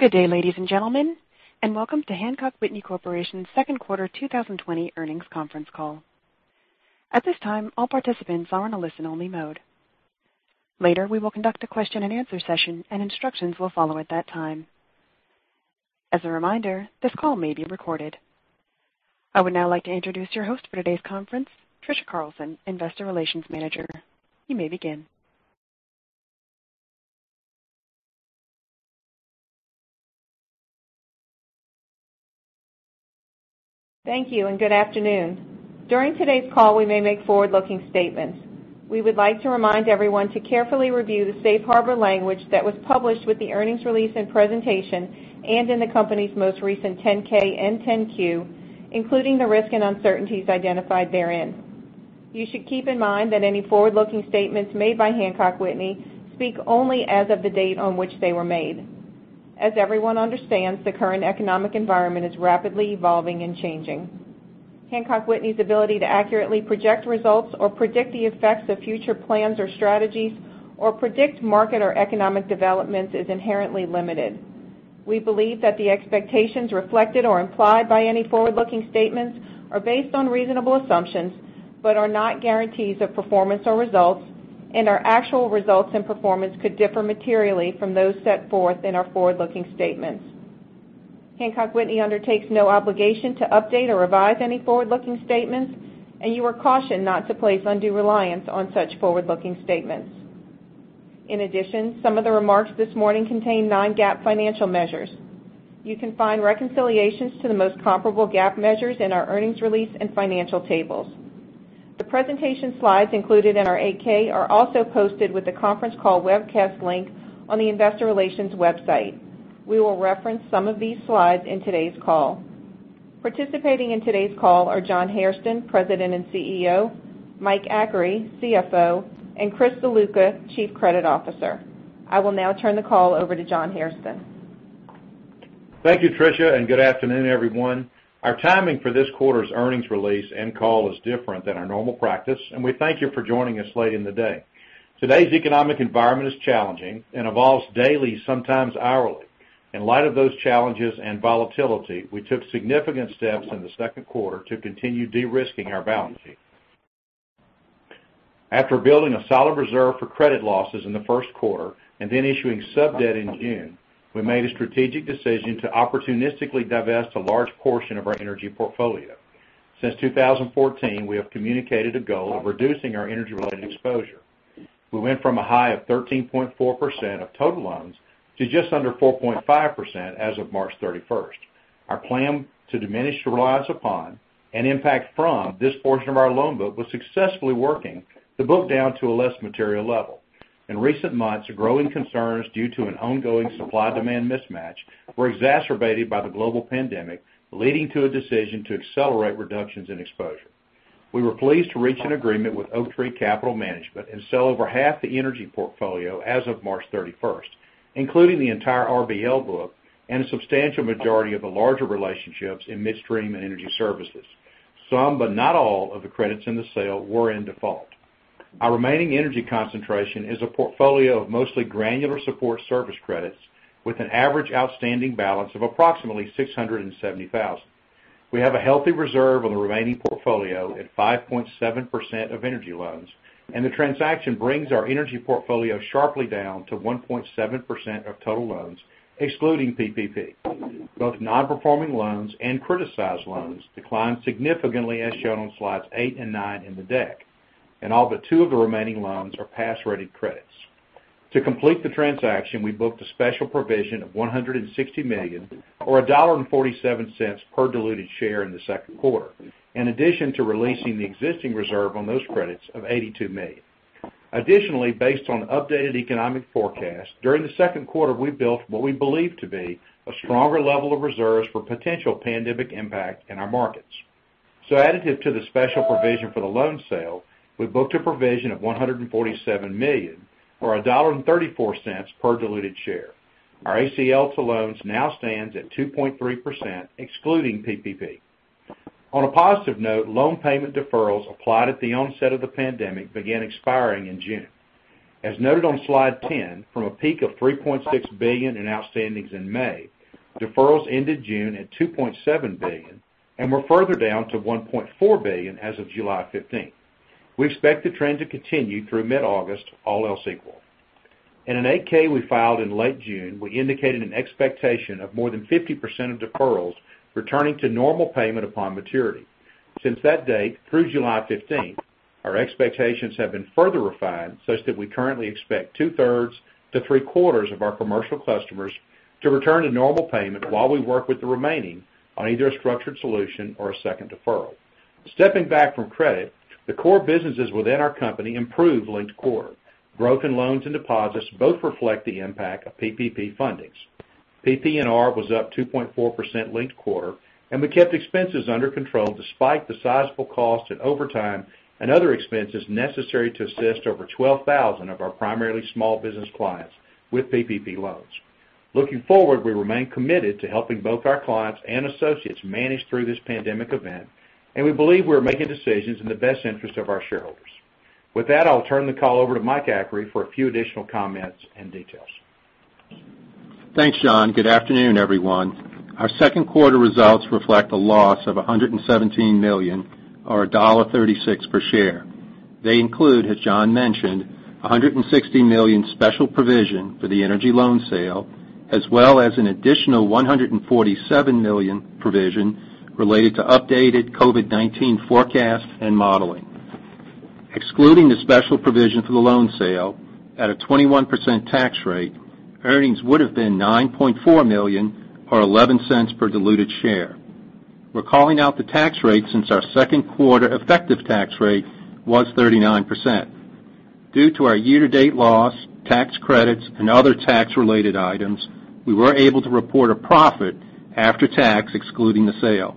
Good day, ladies and gentlemen, and welcome to Hancock Whitney Corporation's second quarter 2020 earnings conference call. At this time, all participants are in a listen-only mode. Later, we will conduct a question and answer session and instructions will follow at that time. As a reminder, this call may be recorded. I would now like to introduce your host for today's conference, Trisha Carlson, Investor Relations Manager. You may begin. Thank you, and good afternoon. During today's call, we may make forward-looking statements. We would like to remind everyone to carefully review the safe harbor language that was published with the earnings release and presentation, and in the company's most recent 10-K and 10-Q, including the risk and uncertainties identified therein. You should keep in mind that any forward-looking statements made by Hancock Whitney speak only as of the date on which they were made. As everyone understands, the current economic environment is rapidly evolving and changing. Hancock Whitney's ability to accurately project results or predict the effects of future plans or strategies or predict market or economic developments is inherently limited. We believe that the expectations reflected or implied by any forward-looking statements are based on reasonable assumptions, but are not guarantees of performance or results, and our actual results and performance could differ materially from those set forth in our forward-looking statements. Hancock Whitney undertakes no obligation to update or revise any forward-looking statements, and you are cautioned not to place undue reliance on such forward-looking statements. In addition, some of the remarks this morning contain non-GAAP financial measures. You can find reconciliations to the most comparable GAAP measures in our earnings release and financial tables. The presentation slides included in our 8-K are also posted with the conference call webcast link on the investor relations website. We will reference some of these slides in today's call. Participating in today's call are John Hairston, President and CEO, Mike Achary, CFO, and Chris Ziluca, Chief Credit Officer. I will now turn the call over to John Hairston. Thank you, Trisha. Good afternoon, everyone. Our timing for this quarter's earnings release and call is different than our normal practice. We thank you for joining us late in the day. Today's economic environment is challenging and evolves daily, sometimes hourly. In light of those challenges and volatility, we took significant steps in the second quarter to continue de-risking our balance sheet. After building a solid reserve for credit losses in the first quarter and then issuing sub-debt in June, we made a strategic decision to opportunistically divest a large portion of our energy portfolio. Since 2014, we have communicated a goal of reducing our energy-related exposure. We went from a high of 13.4% of total loans to just under 4.5% as of March 31st. Our plan to diminish the reliance upon and impact from this portion of our loan book was successfully working the book down to a less material level. In recent months, growing concerns due to an ongoing supply-demand mismatch were exacerbated by the global pandemic, leading to a decision to accelerate reductions in exposure. We were pleased to reach an agreement with Oaktree Capital Management and sell over half the energy portfolio as of March 31st, including the entire RBL book and a substantial majority of the larger relationships in midstream and energy services. Some, but not all, of the credits in the sale were in default. Our remaining energy concentration is a portfolio of mostly granular support service credits with an average outstanding balance of approximately $670,000. We have a healthy reserve on the remaining portfolio at 5.7% of energy loans, and the transaction brings our energy portfolio sharply down to 1.7% of total loans, excluding PPP. Both non-performing loans and criticized loans declined significantly as shown on slides eight and nine in the deck, and all but two of the remaining loans are pass-rated credits. To complete the transaction, we booked a special provision of $160 million or $1.47 per diluted share in the second quarter, in addition to releasing the existing reserve on those credits of $82 million. Additionally, based on updated economic forecasts, during the second quarter, we built what we believe to be a stronger level of reserves for potential pandemic impact in our markets. Additive to the special provision for the loan sale, we booked a provision of $147 million or $1.34 per diluted share. Our ACL to loans now stands at 2.3%, excluding PPP. On a positive note, loan payment deferrals applied at the onset of the pandemic began expiring in June. As noted on slide 10, from a peak of $3.6 billion in outstandings in May, deferrals ended June at $2.7 billion and were further down to $1.4 billion as of July 15th. We expect the trend to continue through mid-August, all else equal. In an 8-K we filed in late June, we indicated an expectation of more than 50% of deferrals returning to normal payment upon maturity. Since that date, through July 15th, our expectations have been further refined such that we currently expect two-thirds to three-quarters of our commercial customers to return to normal payment while we work with the remaining on either a structured solution or a second deferral. Stepping back from credit, the core businesses within our company improved linked quarter. Growth in loans and deposits both reflect the impact of PPP fundings. PP&R was up 2.4% linked quarter, and we kept expenses under control despite the sizable cost in overtime and other expenses necessary to assist over 12,000 of our primarily small business clients with PPP loans. Looking forward, we remain committed to helping both our clients and associates manage through this pandemic event, and we believe we are making decisions in the best interest of our shareholders. With that, I'll turn the call over to Mike Achary for a few additional comments and details. Thanks, John. Good afternoon, everyone. Our second quarter results reflect a loss of $117 million or $1.36 per share. They include, as John mentioned, $160 million special provision for the energy loan sale, as well as an additional $147 million provision related to updated COVID-19 forecasts and modeling. Excluding the special provision for the loan sale at a 21% tax rate, earnings would've been $9.4 million or $0.11 per diluted share. We're calling out the tax rate since our second quarter effective tax rate was 39%. Due to our year-to-date loss, tax credits, and other tax-related items, we were able to report a profit after tax excluding the sale.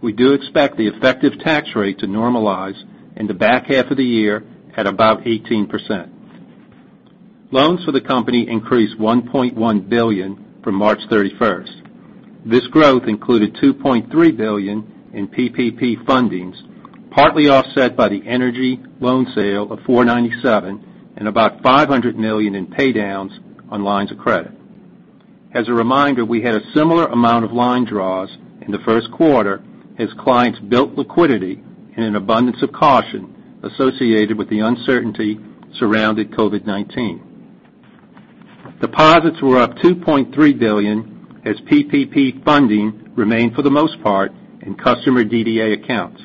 We do expect the effective tax rate to normalize in the back half of the year at about 18%. Loans for the company increased $1.1 billion from March 31st. This growth included $2.3 billion in PPP fundings, partly offset by the energy loan sale of $497 and about $500 million in paydowns on lines of credit. As a reminder, we had a similar amount of line draws in the first quarter as clients built liquidity in an abundance of caution associated with the uncertainty surrounding COVID-19. Deposits were up $2.3 billion as PPP funding remained, for the most part, in customer DDA accounts.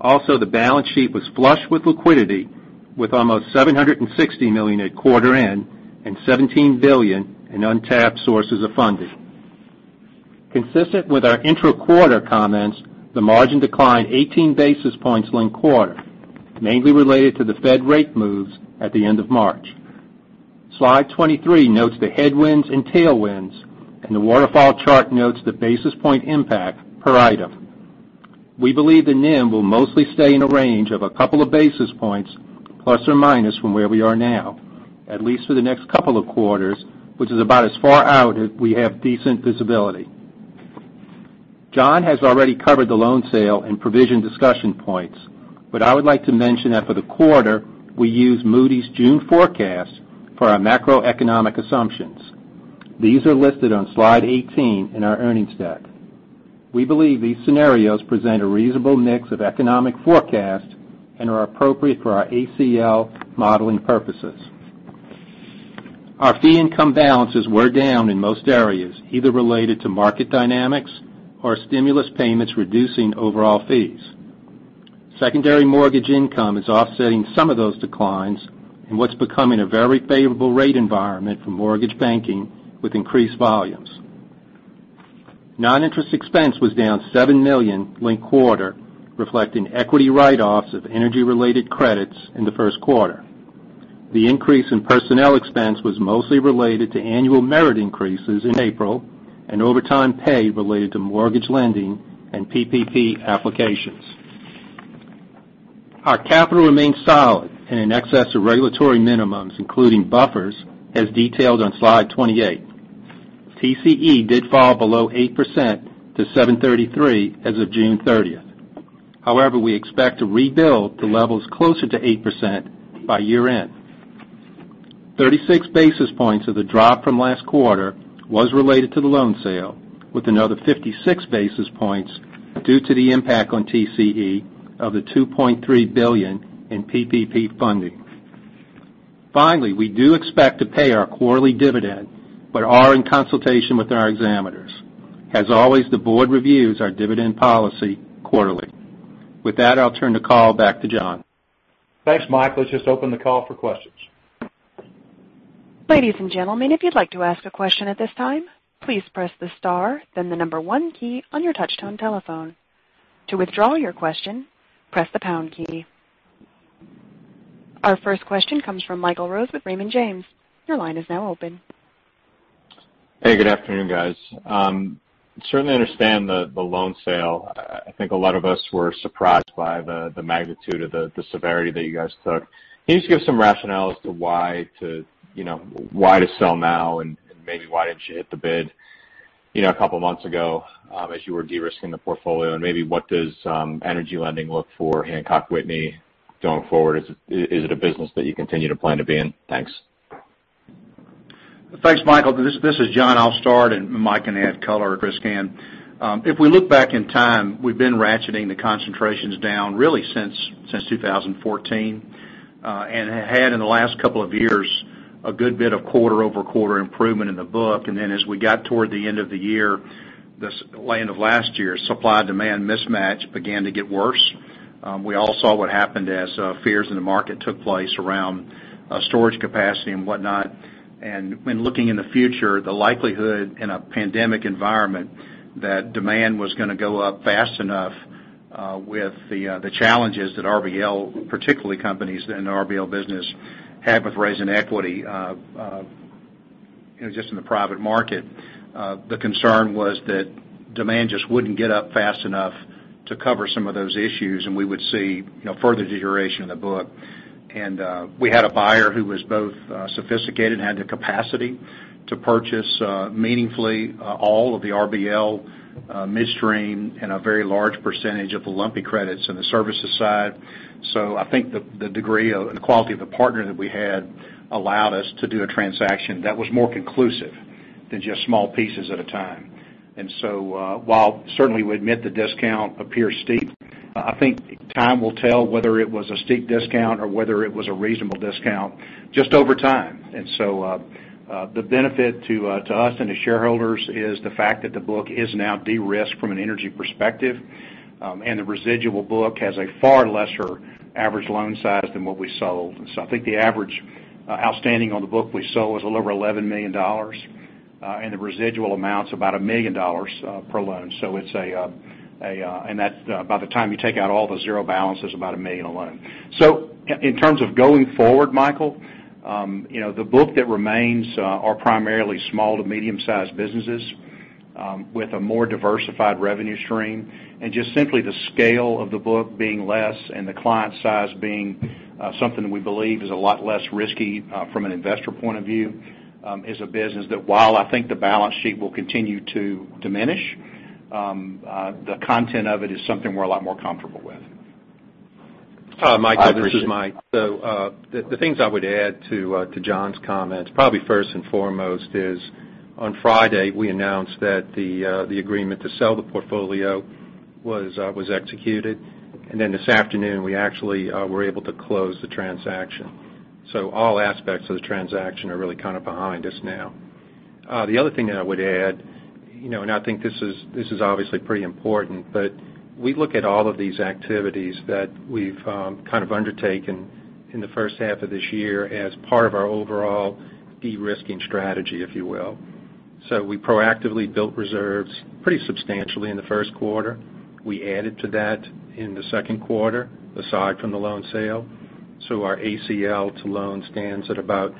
Also, the balance sheet was flush with liquidity with almost $760 million at quarter end and $17 billion in untapped sources of funding. Consistent with our intra-quarter comments, the margin declined 18 basis points linked quarter, mainly related to the Fed rate moves at the end of March. Slide 23 notes the headwinds and tailwinds, and the waterfall chart notes the basis point impact per item. We believe the NIM will mostly stay in a range of a couple of basis points ± from where we are now, at least for the next couple of quarters, which is about as far out as we have decent visibility. John has already covered the loan sale and provision discussion points, but I would like to mention that for the quarter, we used Moody's June forecast for our macroeconomic assumptions. These are listed on slide 18 in our earnings deck. We believe these scenarios present a reasonable mix of economic forecast and are appropriate for our ACL modeling purposes. Our fee income balances were down in most areas, either related to market dynamics or stimulus payments reducing overall fees. Secondary mortgage income is offsetting some of those declines in what's becoming a very favorable rate environment for mortgage banking with increased volumes. Non-interest expense was down $7 million linked quarter, reflecting equity write-offs of energy-related credits in the first quarter. The increase in personnel expense was mostly related to annual merit increases in April and overtime pay related to mortgage lending and PPP applications. Our capital remains solid and in excess of regulatory minimums, including buffers, as detailed on slide 28. TCE did fall below 8% to 733 as of June 30th. We expect to rebuild to levels closer to 8% by year-end. 36 basis points of the drop from last quarter was related to the loan sale, with another 56 basis points due to the impact on TCE of the $2.3 billion in PPP funding. We do expect to pay our quarterly dividend but are in consultation with our examiners. As always, the board reviews our dividend policy quarterly. With that, I'll turn the call back to John. Thanks, Mike. Let's just open the call for questions. Ladies and gentlemen, if you'd like to ask a question at this time, please press the star then the number 1 key on your touch-tone telephone. To withdraw your question, press the pound key. Our first question comes from Michael Rose with Raymond James. Your line is now open. Hey, good afternoon, guys. Certainly understand the loan sale. I think a lot of us were surprised by the magnitude of the severity that you guys took. Can you just give some rationale as to why to sell now and maybe why didn't you hit the bid a couple of months ago as you were de-risking the portfolio? Maybe what does energy lending look for Hancock Whitney going forward? Is it a business that you continue to plan to be in? Thanks. Thanks, Michael. This is John. I'll start and Mike can add color, or Chris can. If we look back in time, we've been ratcheting the concentrations down really since 2014, and had in the last couple of years a good bit of quarter-over-quarter improvement in the book. Then as we got toward the end of the year, the end of last year, supply-demand mismatch began to get worse. We all saw what happened as fears in the market took place around storage capacity and whatnot. When looking in the future, the likelihood in a pandemic environment that demand was going to go up fast enough with the challenges that RBL, particularly companies in the RBL business, have with raising equity just in the private market. The concern was that demand just wouldn't get up fast enough to cover some of those issues, and we would see further deterioration in the book. We had a buyer who was both sophisticated and had the capacity to purchase meaningfully all of the RBL midstream and a very large percentage of the lumpy credits in the services side. I think the degree of the quality of the partner that we had allowed us to do a transaction that was more conclusive than just small pieces at a time. While certainly we admit the discount appears steep, I think time will tell whether it was a steep discount or whether it was a reasonable discount just over time. The benefit to us and to shareholders is the fact that the book is now de-risked from an energy perspective, and the residual book has a far lesser average loan size than what we sold. I think the average outstanding on the book we sold was a little over $11 million, and the residual amount's about $1 million per loan. By the time you take out all the zero balances, about $1 million a loan. In terms of going forward, Michael, the book that remains are primarily small to medium-sized businesses with a more diversified revenue stream, and just simply the scale of the book being less and the client size being something that we believe is a lot less risky from an investor point of view, is a business that while I think the balance sheet will continue to diminish, the content of it is something we're a lot more comfortable with. Michael, this is Mike. The things I would add to John's comments, probably first and foremost is, on Friday we announced that the agreement to sell the portfolio was executed, and then this afternoon we actually were able to close the transaction. All aspects of the transaction are really kind of behind us now. The other thing that I would add, and I think this is obviously pretty important, but we look at all of these activities that we've kind of undertaken in the first half of this year as part of our overall de-risking strategy, if you will. We proactively built reserves pretty substantially in the first quarter. We added to that in the second quarter, aside from the loan sale. Our ACL to loan stands at about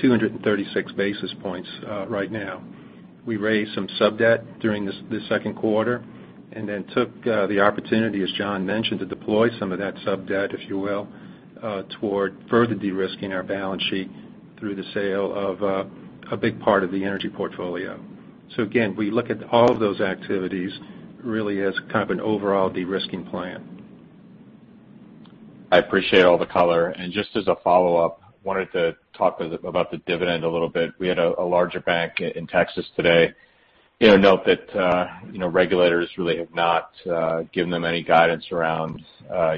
236 basis points right now. We raised some sub-debt during the second quarter and then took the opportunity, as John mentioned, to deploy some of that sub-debt, if you will, toward further de-risking our balance sheet through the sale of a big part of the energy portfolio. Again, we look at all of those activities really as kind of an overall de-risking plan. I appreciate all the color. Just as a follow-up, wanted to talk about the dividend a little bit. We had a larger bank in Texas today. Note that regulators really have not given them any guidance around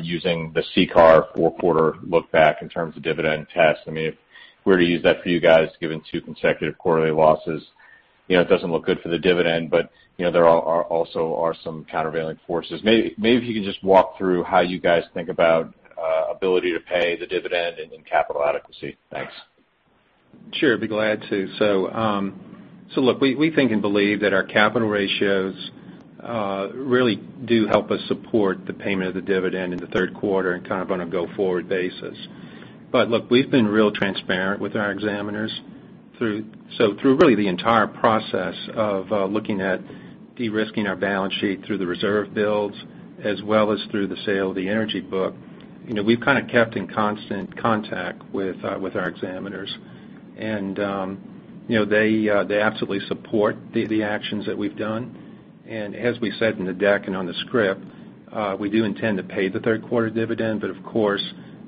using the CCAR four-quarter look-back in terms of dividend tests. If we were to use that for you guys, given two consecutive quarterly losses, it doesn't look good for the dividend, but there also are some countervailing forces. Maybe if you could just walk through how you guys think about ability to pay the dividend and capital adequacy. Thanks. Sure. Be glad to. Look, we think and believe that our capital ratios really do help us support the payment of the dividend in the third quarter and kind of on a go-forward basis. Look, we've been real transparent with our examiners. Through really the entire process of looking at de-risking our balance sheet through the reserve builds as well as through the sale of the energy book, we've kind of kept in constant contact with our examiners. They absolutely support the actions that we've done. As we said in the deck and on the script, we do intend to pay the third quarter dividend. Of course,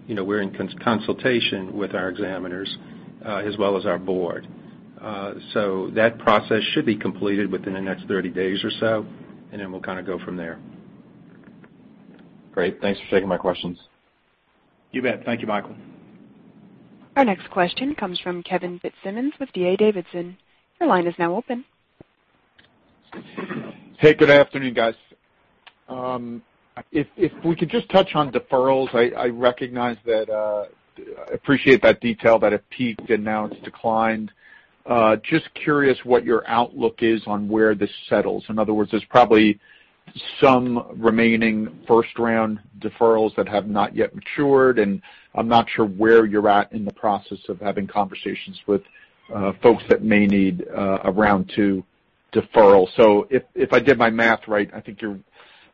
we're in consultation with our examiners as well as our board. That process should be completed within the next 30 days or so, and then we'll kind of go from there. Great. Thanks for taking my questions. You bet. Thank you, Michael. Our next question comes from Kevin Fitzsimmons with D.A. Davidson. Your line is now open. Hey, good afternoon, guys. If we could just touch on deferrals. I appreciate that detail that it peaked and now it's declined. Just curious what your outlook is on where this settles. In other words, there's probably some remaining first-round deferrals that have not yet matured, and I'm not sure where you're at in the process of having conversations with folks that may need a round two deferral. If I did my math right, I think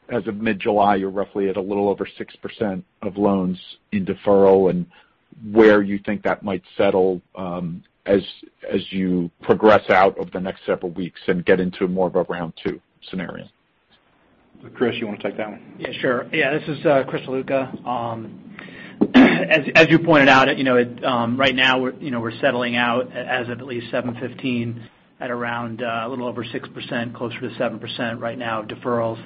as of mid-July, you're roughly at a little over 6% of loans in deferral and where you think that might settle as you progress out over the next several weeks and get into more of a round two scenario. Chris, you want to take that one? Yeah, sure. Yeah, this is Chris Ziluca. As you pointed out, right now we're settling out as of at least 7/15 at around a little over 6%, closer to 7% right now, deferrals.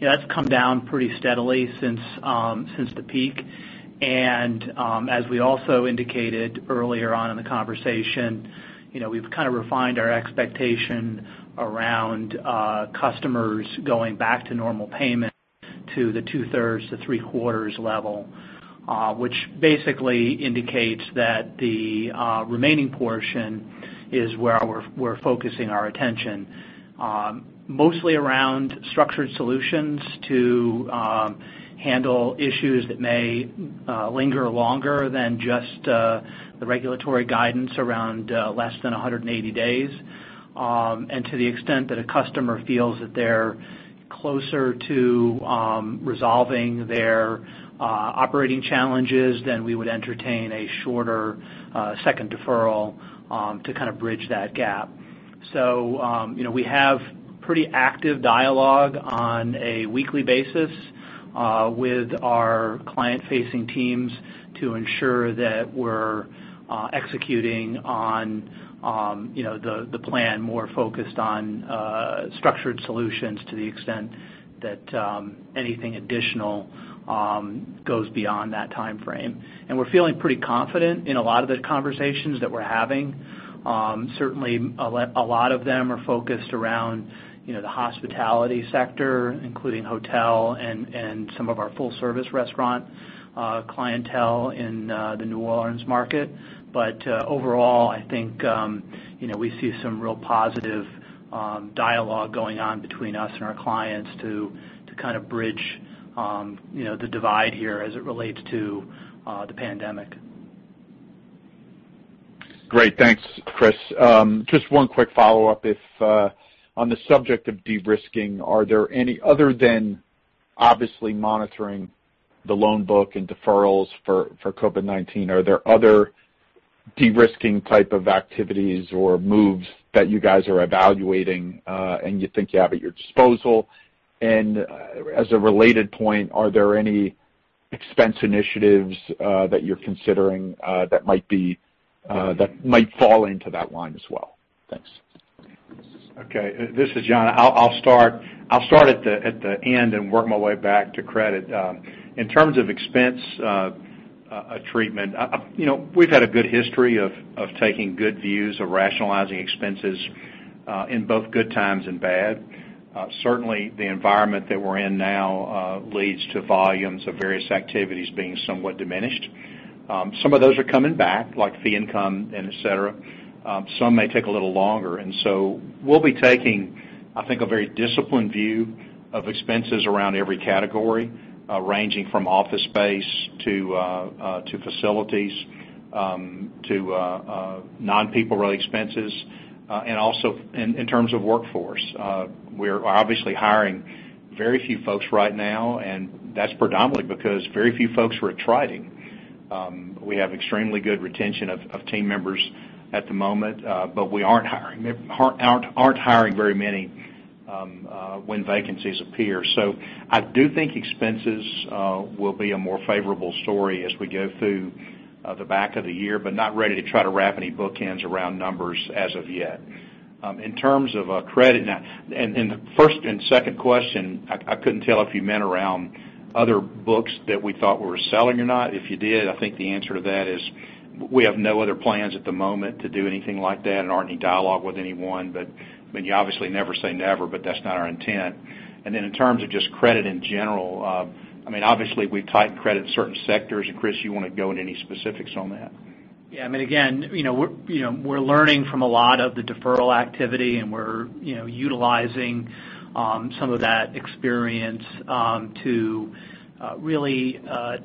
That's come down pretty steadily since the peak. As we also indicated earlier on in the conversation, we've kind of refined our expectation around customers going back to normal payment to the two-thirds to three-quarters level, which basically indicates that the remaining portion is where we're focusing our attention. Mostly around structured solutions to handle issues that may linger longer than just the regulatory guidance around less than 180 days. To the extent that a customer feels that they're closer to resolving their operating challenges, we would entertain a shorter second deferral to kind of bridge that gap. We have pretty active dialogue on a weekly basis with our client-facing teams to ensure that we're executing on the plan more focused on structured solutions to the extent that anything additional goes beyond that timeframe. We're feeling pretty confident in a lot of the conversations that we're having. Certainly, a lot of them are focused around the hospitality sector, including hotel and some of our full-service restaurant clientele in the New Orleans market. Overall, I think we see some real positive dialogue going on between us and our clients to kind of bridge the divide here as it relates to the pandemic. Great. Thanks, Chris. Just one quick follow-up. On the subject of de-risking, other than obviously monitoring the loan book and deferrals for COVID-19, are there other de-risking type of activities or moves that you guys are evaluating and you think you have at your disposal? As a related point, are there any expense initiatives that you're considering that might fall into that line as well? Thanks. Okay, this is John. I'll start at the end and work my way back to credit. In terms of expense treatment, we've had a good history of taking good views of rationalizing expenses in both good times and bad. Certainly, the environment that we're in now leads to volumes of various activities being somewhat diminished. Some of those are coming back, like fee income and et cetera. Some may take a little longer. We'll be taking, I think, a very disciplined view of expenses around every category, ranging from office space to facilities to non-people-related expenses. Also in terms of workforce. We're obviously hiring very few folks right now, and that's predominantly because very few folks were attriting. We have extremely good retention of team members at the moment, but we aren't hiring very many when vacancies appear. I do think expenses will be a more favorable story as we go through the back of the year, but not ready to try to wrap any bookends around numbers as of yet. In terms of credit now, in the first and second question, I couldn't tell if you meant around other books that we thought were selling or not. If you did, I think the answer to that is we have no other plans at the moment to do anything like that and aren't in any dialogue with anyone. You obviously never say never, but that's not our intent. Then in terms of just credit in general, obviously we've tightened credit in certain sectors. Chris, you want to go into any specifics on that? Yeah. Again, we're learning from a lot of the deferral activity. We're utilizing some of that experience to really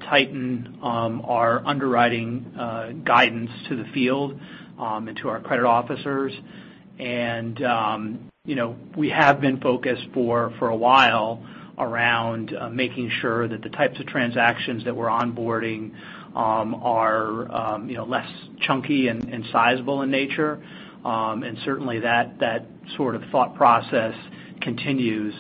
tighten our underwriting guidance to the field and to our credit officers. We have been focused for a while around making sure that the types of transactions that we're onboarding are less chunky and sizable in nature. Certainly that sort of thought process continues.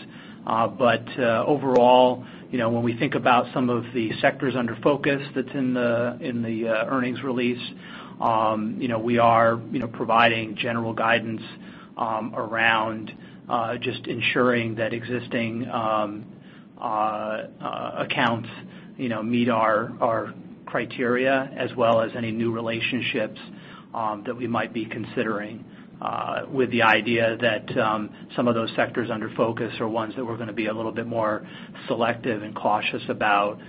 Overall, when we think about some of the sectors under focus that's in the earnings release, we are providing general guidance around just ensuring that existing accounts meet our criteria as well as any new relationships that we might be considering with the idea that some of those sectors under focus are ones that we're going to be a little bit more selective and cautious about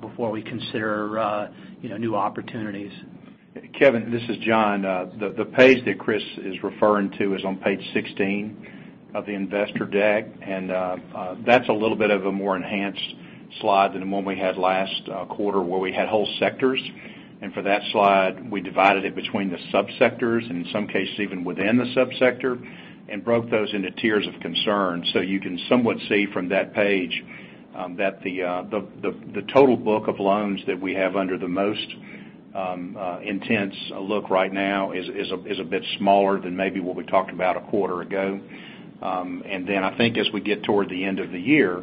before we consider new opportunities. Kevin, this is John. The page that Chris is referring to is on page 16 of the investor deck. That's a little bit of a more enhanced slide than the one we had last quarter where we had whole sectors. For that slide, we divided it between the subsectors, and in some cases even within the subsector, and broke those into tiers of concern. You can somewhat see from that page that the total book of loans that we have under the most intense look right now is a bit smaller than maybe what we talked about a quarter ago. I think as we get toward the end of the year,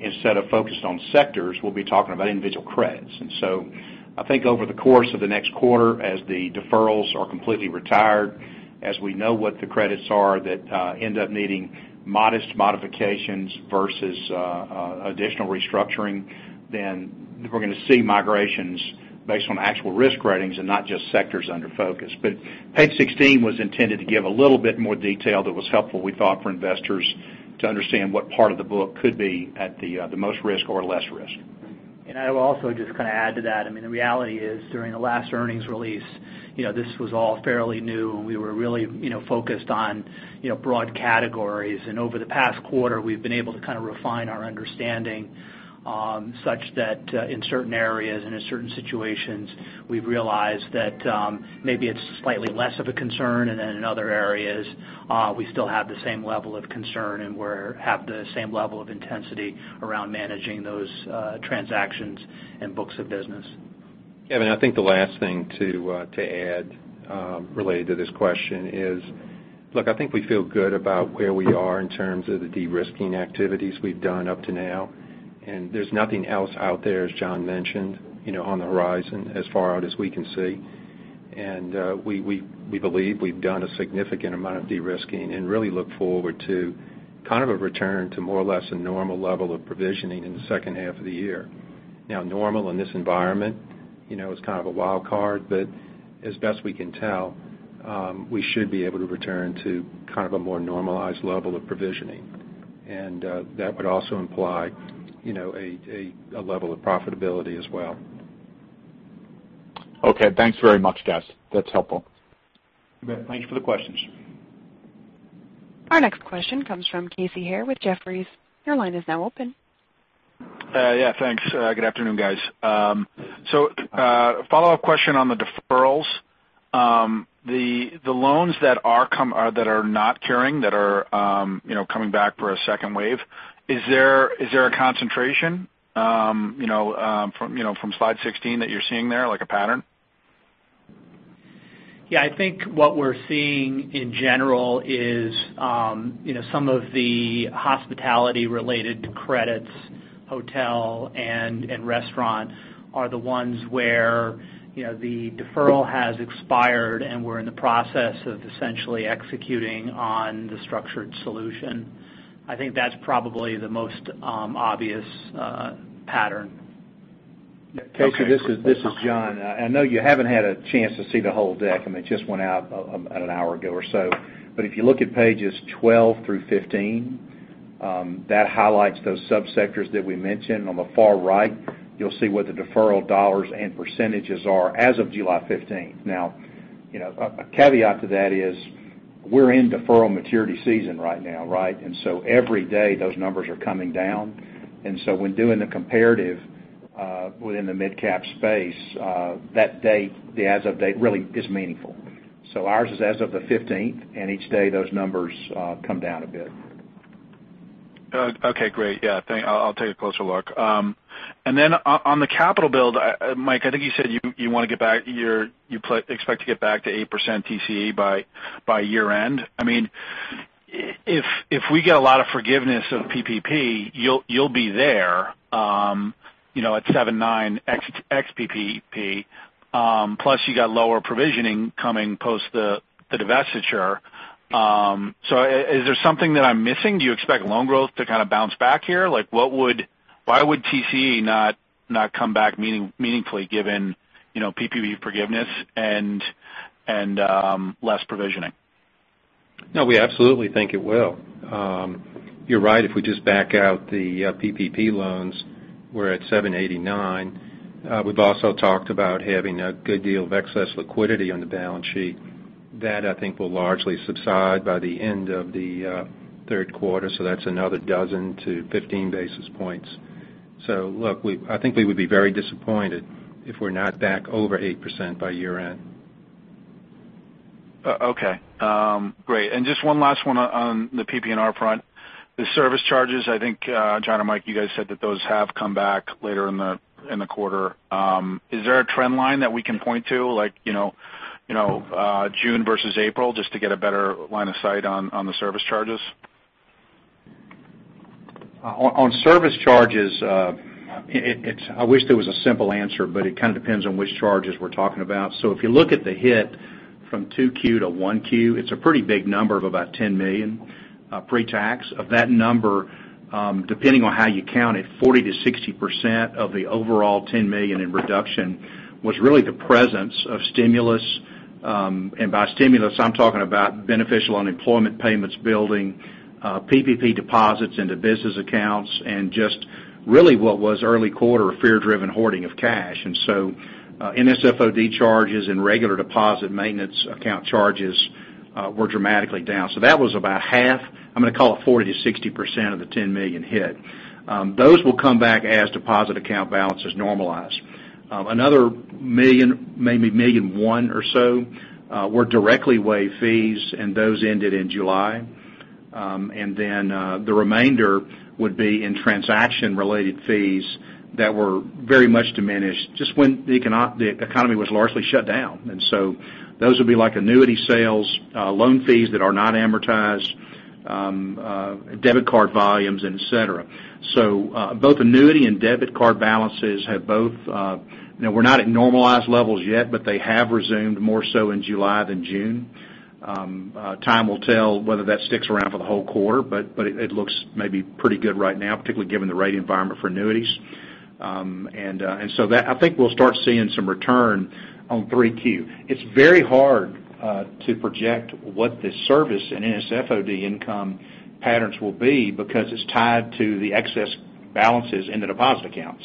instead of focused on sectors, we'll be talking about individual credits. I think over the course of the next quarter, as the deferrals are completely retired, as we know what the credits are that end up needing modest modifications versus additional restructuring, then we're going to see migrations based on actual risk ratings and not just sectors under focus. Page 16 was intended to give a little bit more detail that was helpful, we thought, for investors to understand what part of the book could be at the most risk or less risk. I will also just add to that. The reality is during the last earnings release, this was all fairly new, and we were really focused on broad categories. Over the past quarter, we've been able to refine our understanding such that in certain areas and in certain situations, we've realized that maybe it's slightly less of a concern. In other areas, we still have the same level of concern, and we have the same level of intensity around managing those transactions and books of business. Kevin, I think the last thing to add related to this question is, look, I think we feel good about where we are in terms of the de-risking activities we've done up to now, and there's nothing else out there, as John mentioned, on the horizon as far out as we can see. We believe we've done a significant amount of de-risking and really look forward to a return to more or less a normal level of provisioning in the second half of the year. Normal in this environment is kind of a wild card, but as best we can tell, we should be able to return to a more normalized level of provisioning. That would also imply a level of profitability as well. Okay. Thanks very much, guys. That's helpful. You bet. Thank you for the questions. Our next question comes from Casey Haire with Jefferies. Your line is now open. Yeah, thanks. Good afternoon, guys. Follow-up question on the deferrals. The loans that are not curing, that are coming back for a second wave, is there a concentration from slide 16 that you're seeing there, like a pattern? Yeah, I think what we're seeing in general is some of the hospitality-related credits, hotel and restaurant, are the ones where the deferral has expired, and we're in the process of essentially executing on the structured solution. I think that's probably the most obvious pattern. Casey, this is John. I know you haven't had a chance to see the whole deck. It just went out about an hour ago or so. If you look at pages 12 through 15, that highlights those sub-sectors that we mentioned on the far right. You'll see what the deferral dollars and percentages are as of July 15th. Now, a caveat to that is we're in deferral maturity season right now. Every day, those numbers are coming down. When doing the comparative within the midcap space, that date, the as of date, really is meaningful. Ours is as of the 15th, and each day those numbers come down a bit. Okay, great. Yeah, I'll take a closer look. On the capital build, Mike, I think you said you expect to get back to 8% TCE by year-end. If we get a lot of forgiveness of PPP, you'll be there at 7.9 ex PPP, plus you got lower provisioning coming post the divestiture. Is there something that I'm missing? Do you expect loan growth to bounce back here? Why would TCE not come back meaningfully given PPP forgiveness and less provisioning? No, we absolutely think it will. You're right, if we just back out the PPP loans, we're at 7.89. We've also talked about having a good deal of excess liquidity on the balance sheet. That I think will largely subside by the end of the third quarter. That's another dozen to 15 basis points. Look, I think we would be very disappointed if we're not back over 8% by year-end. Okay, great. Just one last one on the PP&R front. The service charges, I think John or Mike, you guys said that those have come back later in the quarter. Is there a trend line that we can point to like June versus April, just to get a better line of sight on the service charges? On service charges, I wish there was a simple answer, but it kind of depends on which charges we're talking about. If you look at the hit from 2Q to 1Q, it's a pretty big number of about $10 million pre-tax. Of that number, depending on how you count it, 40%-60% of the overall $10 million in reduction was really the presence of stimulus. By stimulus, I'm talking about beneficial unemployment payments building PPP deposits into business accounts and just really what was early quarter fear-driven hoarding of cash. NSF/OD charges and regular deposit maintenance account charges were dramatically down. That was about half, I'm going to call it 40%-60% of the $10 million hit. Those will come back as deposit account balances normalize. Another $1 million, maybe $1.1 million or so, were directly waived fees, and those ended in July. The remainder would be in transaction-related fees that were very much diminished just when the economy was largely shut down. Those would be like annuity sales, loan fees that are not amortized, debit card volumes, et cetera. Both annuity and debit card balances have we're not at normalized levels yet, but they have resumed more so in July than June. Time will tell whether that sticks around for the whole quarter, but it looks maybe pretty good right now, particularly given the rate environment for annuities. I think we'll start seeing some return on 3Q. It's very hard to project what the service and NSF/OD income patterns will be because it's tied to the excess balances in the deposit accounts.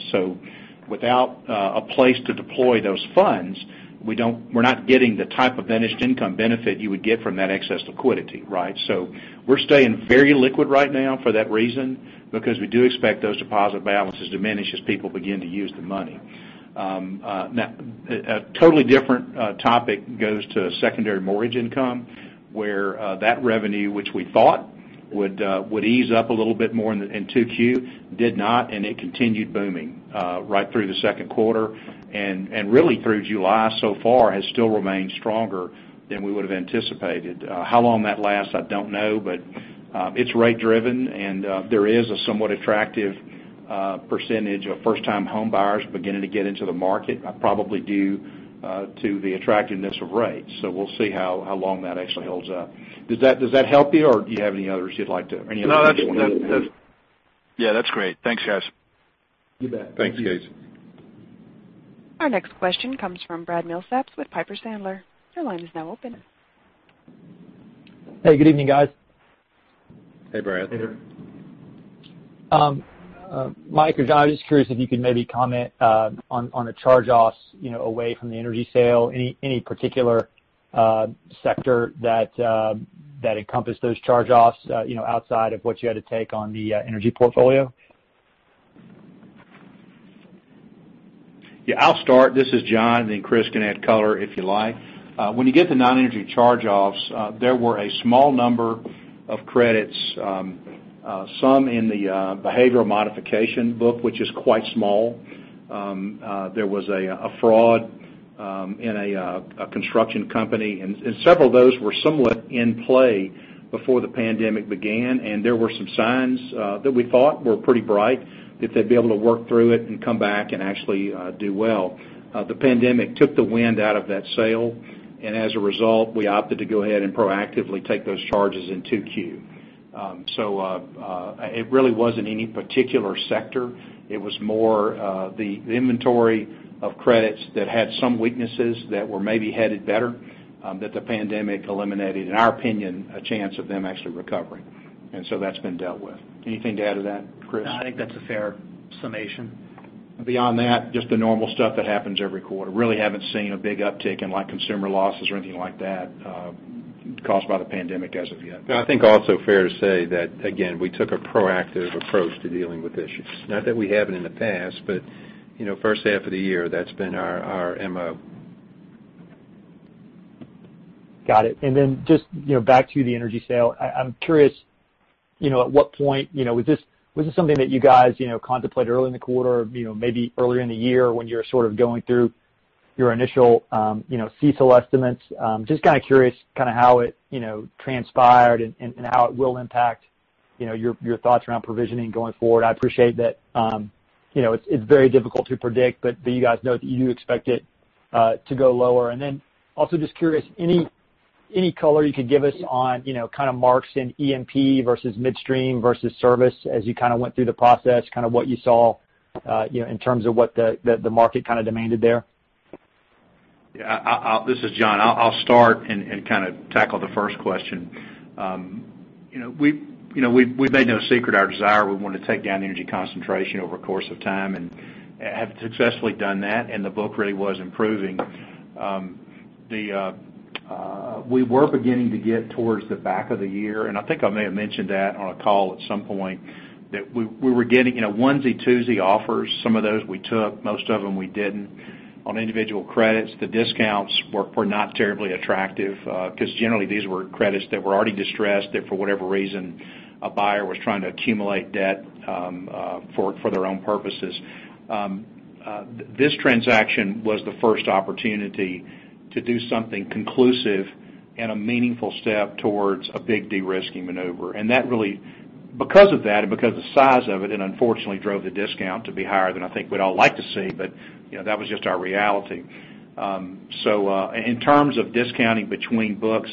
Without a place to deploy those funds, we're not getting the type of interest income benefit you would get from that excess liquidity. Right? We're staying very liquid right now for that reason because we do expect those deposit balances to diminish as people begin to use the money. Now, a totally different topic goes to secondary mortgage income, where that revenue, which we thought would ease up a little bit more in 2Q, did not, and it continued booming right through the second quarter and really through July so far has still remained stronger than we would've anticipated. How long that lasts, I don't know, but it's rate driven and there is a somewhat attractive percentage of first-time homebuyers beginning to get into the market, probably due to the attractiveness of rates. We'll see how long that actually holds up. Does that help you, or do you have any others you'd like to? No, Yeah. That's great. Thanks, guys. You bet. Thanks, guys. Our next question comes from Brad Milsaps with Piper Sandler. Your line is now open. Hey, good evening, guys. Hey, Brad. Hey there. Mike or John, I'm just curious if you could maybe comment on the charge-offs away from the energy sale. Any particular sector that encompassed those charge-offs outside of what you had to take on the energy portfolio? Yeah, I'll start. This is John, then Chris can add color if you like. When you get to non-energy charge-offs, there were a small number of credits, some in the behavioral modification book, which is quite small. There was a fraud in a construction company. Several of those were somewhat in play before the pandemic began, and there were some signs that we thought were pretty bright that they'd be able to work through it and come back and actually do well. The pandemic took the wind out of that sail, as a result, we opted to go ahead and proactively take those charges in 2Q. It really wasn't any particular sector. It was more the inventory of credits that had some weaknesses that were maybe headed better, that the pandemic eliminated, in our opinion, a chance of them actually recovering. That's been dealt with. Anything to add to that, Chris? No, I think that's a fair summation. Beyond that, just the normal stuff that happens every quarter. Really haven't seen a big uptick in consumer losses or anything like that caused by the pandemic as of yet. I think also fair to say that, again, we took a proactive approach to dealing with issues. Not that we haven't in the past, but first half of the year, that's been our MO. Got it. Just back to the energy sale. I'm curious, at what point, was this something that you guys contemplated early in the quarter, maybe earlier in the year when you were sort of going through your initial CECL estimates? Just kind of curious how it transpired and how it will impact your thoughts around provisioning going forward. I appreciate that it's very difficult to predict. You guys know that you do expect it to go lower. Also just curious, any color you could give us on kind of marks in E&P versus midstream versus service as you kind of went through the process, kind of what you saw in terms of what the market kind of demanded there? This is John. I'll start and kind of tackle the first question. We've made no secret our desire. We want to take down energy concentration over a course of time, and have successfully done that, and the book really was improving. We were beginning to get towards the back of the year, and I think I may have mentioned that on a call at some point, that we were getting onesie, twosie offers. Some of those we took. Most of them we didn't. On individual credits, the discounts were not terribly attractive because generally these were credits that were already distressed, that for whatever reason, a buyer was trying to accumulate debt for their own purposes. This transaction was the first opportunity to do something conclusive and a meaningful step towards a big de-risking maneuver. Because of that, and because of the size of it unfortunately drove the discount to be higher than I think we'd all like to see, but that was just our reality. In terms of discounting between books,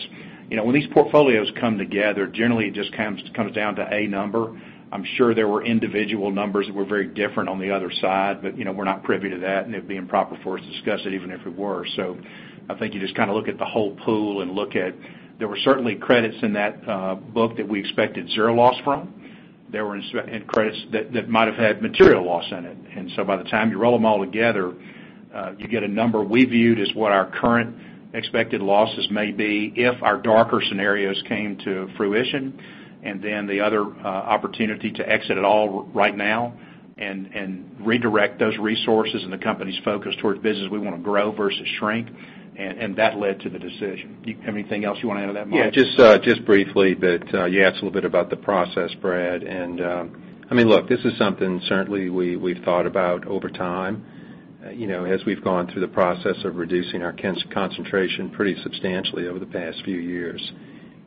when these portfolios come together, generally it just comes down to a number. I'm sure there were individual numbers that were very different on the other side, but we're not privy to that, and it'd be improper for us to discuss it even if it were. I think you just kind of look at the whole pool and look at there were certainly credits in that book that we expected zero loss from. There were credits that might have had material loss in it. By the time you roll them all together, you get a number we viewed as what our current expected losses may be if our darker scenarios came to fruition. Then the other opportunity to exit it all right now and redirect those resources and the company's focus towards business we want to grow versus shrink. That led to the decision. Do you have anything else you want to add to that, Mike? Just briefly, you asked a little bit about the process, Brad. Look, this is something certainly we've thought about over time as we've gone through the process of reducing our concentration pretty substantially over the past few years.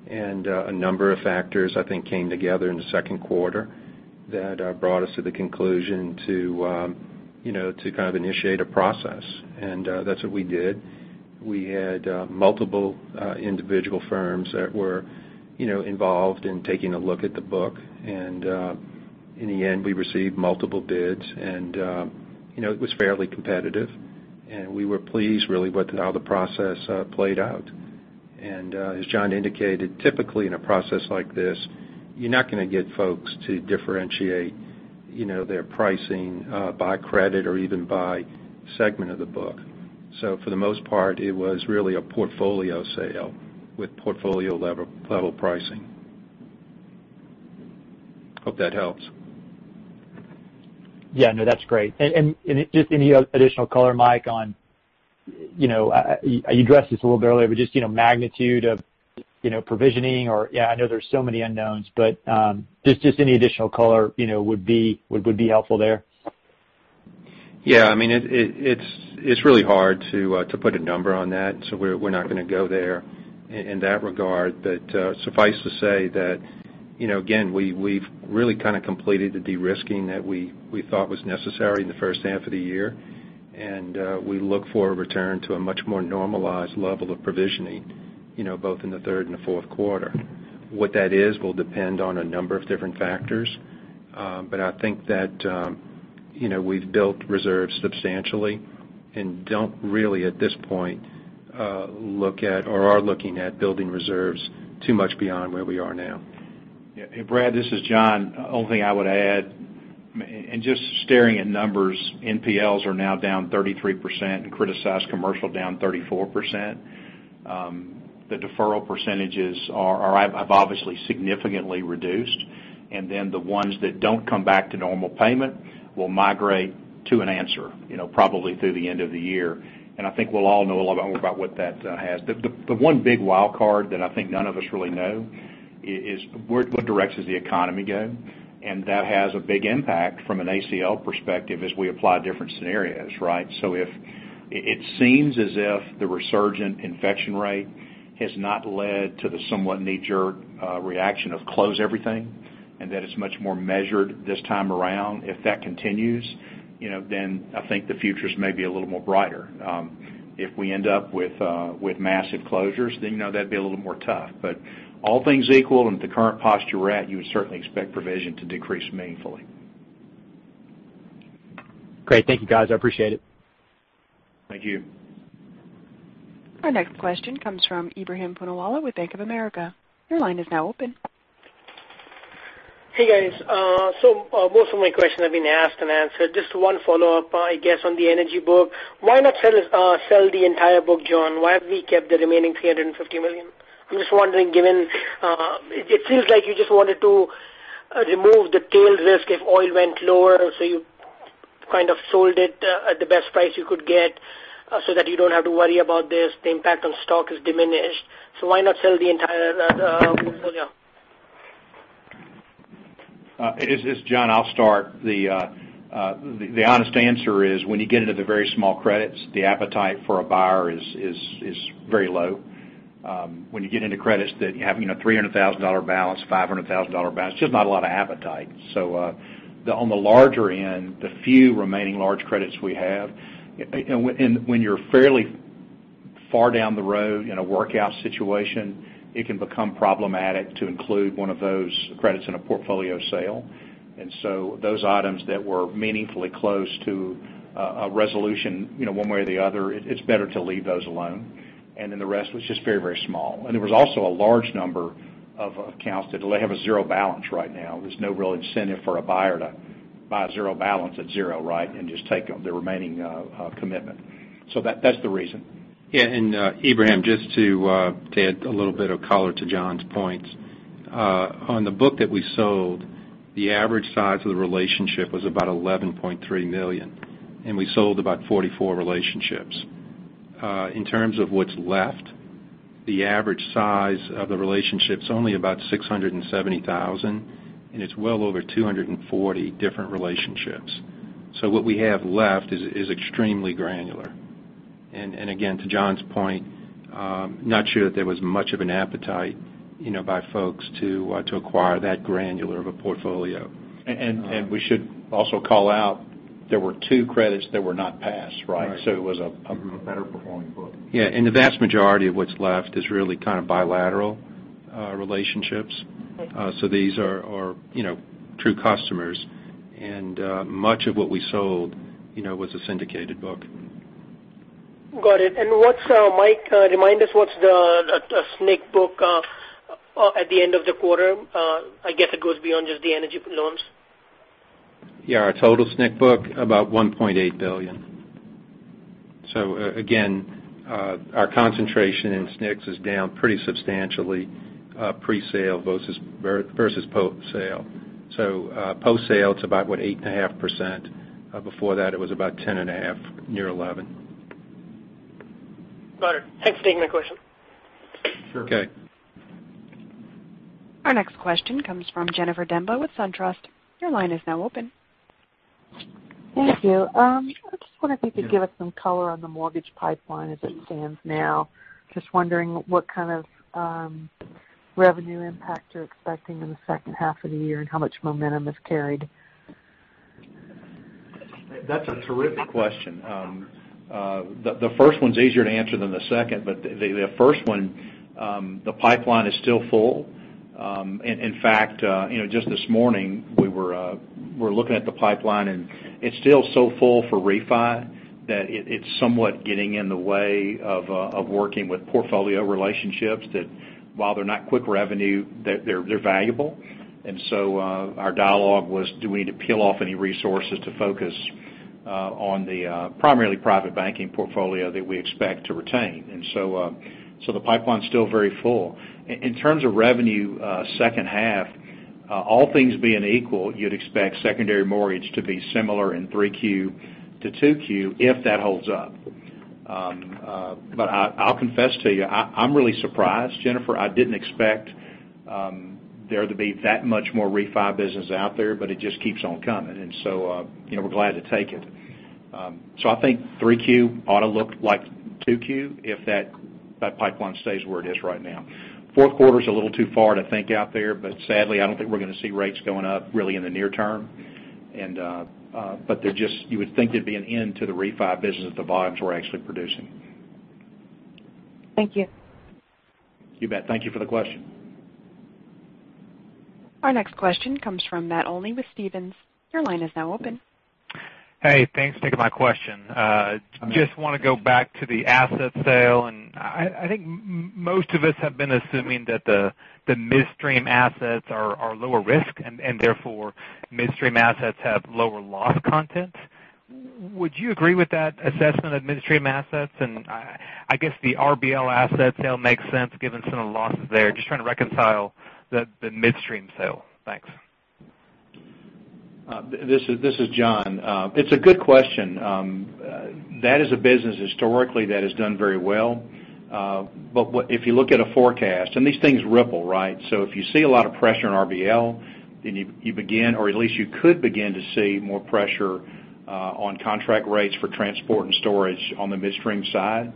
A number of factors, I think, came together in the second quarter that brought us to the conclusion to kind of initiate a process. That's what we did. We had multiple individual firms that were involved in taking a look at the book. In the end, we received multiple bids, and it was fairly competitive, and we were pleased really with how the process played out. As John indicated, typically in a process like this, you're not going to get folks to differentiate their pricing by credit or even by segment of the book. For the most part, it was really a portfolio sale with portfolio-level pricing. Hope that helps. Yeah, no, that's great. Just any additional color, Mike, you addressed this a little bit earlier, but just magnitude of provisioning, I know there's so many unknowns, but just any additional color would be helpful there. It's really hard to put a number on that. We're not going to go there in that regard. Suffice to say that, again, we've really kind of completed the de-risking that we thought was necessary in the first half of the year. We look for a return to a much more normalized level of provisioning, both in the third and the fourth quarter. What that is will depend on a number of different factors. I think that we've built reserves substantially and don't really, at this point, look at or are looking at building reserves too much beyond where we are now. Yeah. Brad, this is John. Only thing I would add, and just staring at numbers, NPLs are now down 33%, criticized commercial down 34%. The deferral percentages have obviously significantly reduced. The ones that don't come back to normal payment will migrate to an answer, probably through the end of the year. I think we'll all know a little bit more about what that has. The one big wild card that I think none of us really know is what direction does the economy go. That has a big impact from an ACL perspective as we apply different scenarios, right? It seems as if the resurgent infection rate has not led to the somewhat knee-jerk reaction of close everything, and that it's much more measured this time around. If that continues, then I think the future's may be a little more brighter. If we end up with massive closures, that'd be a little more tough. All things equal, and at the current posture we're at, you would certainly expect provision to decrease meaningfully. Great. Thank you, guys. I appreciate it. Thank you. Our next question comes from Ebrahim Poonawala with Bank of America. Your line is now open. Hey, guys. Most of my questions have been asked and answered. Just one follow-up, I guess, on the energy book. Why not sell the entire book, John? Why have we kept the remaining $350 million? I'm just wondering, given it feels like you just wanted to remove the tail risk if oil went lower, you kind of sold it at the best price you could get so that you don't have to worry about this. The impact on stock is diminished. Why not sell the entire portfolio? It's John. I'll start. The honest answer is when you get into the very small credits, the appetite for a buyer is very low. When you get into credits that have a $300,000 balance, $500,000 balance, there's just not a lot of appetite. On the larger end, the few remaining large credits we have, and when you're fairly far down the road in a workout situation, it can become problematic to include one of those credits in a portfolio sale. Those items that were meaningfully close to a resolution, one way or the other, it's better to leave those alone. The rest was just very small. There was also a large number of accounts that have a zero balance right now. There's no real incentive for a buyer to buy a zero balance at zero, and just take the remaining commitment. That's the reason. Yeah. Ebrahim, just to add a little bit of color to John's points. On the book that we sold, the average size of the relationship was about $11.3 million, and we sold about 44 relationships. In terms of what's left, the average size of the relationship's only about $670,000, and it's well over 240 different relationships. What we have left is extremely granular. Again, to John's point, not sure that there was much of an appetite by folks to acquire that granular of a portfolio. We should also call out there were two credits that were not passed, right? Better performing book. Yeah, the vast majority of what's left is really kind of bilateral relationships. These are true customers. Much of what we sold was a syndicated book. Got it. Mike, remind us what's the SNC book at the end of the quarter? I guess it goes beyond just the energy loans. Yeah, our total SNC book, about $1.8 billion. Again, our concentration in SNCs is down pretty substantially pre-sale versus post-sale. Post-sale, it's about, what, 8.5%? Before that, it was about 10.5%, near 11%. Got it. Thanks for taking my question. Sure. Okay. Our next question comes from Jennifer Demba with SunTrust. Your line is now open. Thank you. I just wonder if you could give us some color on the mortgage pipeline as it stands now. I am just wondering what kind of revenue impact you're expecting in the second half of the year and how much momentum is carried? That's a terrific question. The first one's easier to answer than the second. The first one, the pipeline is still full. In fact, just this morning, we were looking at the pipeline. It's still so full for refi that it's somewhat getting in the way of working with portfolio relationships that while they're not quick revenue, they're valuable. Our dialogue was, do we need to peel off any resources to focus on the primarily private banking portfolio that we expect to retain? The pipeline's still very full. In terms of revenue, second half, all things being equal, you'd expect secondary mortgage to be similar in 3Q to 2Q if that holds up. I'll confess to you, I'm really surprised, Jennifer. I didn't expect there to be that much more refi business out there. It just keeps on coming. We're glad to take it. I think 3Q ought to look like 2Q if that pipeline stays where it is right now. Fourth quarter is a little too far to think out there, but sadly, I don't think we're going to see rates going up really in the near term. You would think there'd be an end to the refi business at the volumes we're actually producing. Thank you. You bet. Thank you for the question. Our next question comes from Matt Olney with Stephens. Your line is now open. Hey, thanks for taking my question. Just want to go back to the asset sale. I think most of us have been assuming that the midstream assets are lower risk, and therefore, midstream assets have lower loss content. Would you agree with that assessment of midstream assets? I guess the RBL asset sale makes sense given some of the losses there. Just trying to reconcile the midstream sale. Thanks. This is John. It's a good question. That is a business historically that has done very well. If you look at a forecast, and these things ripple, right? If you see a lot of pressure on RBL, then you begin, or at least you could begin to see more pressure on contract rates for transport and storage on the midstream side.